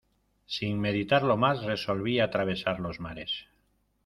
sin meditarlo más, resolví atravesar los mares.